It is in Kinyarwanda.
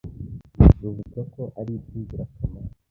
ruvuga ko ari iby’ingirakamaro